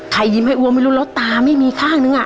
ยิ้มให้อ้วมไม่รู้แล้วตาไม่มีข้างนึง